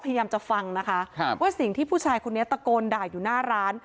พยายามจะฟังนะคะว่าสิ่งที่ผู้ชายคนนี้ตะโกนด่าอยู่หน้าร้าน